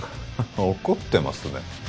怒ってますね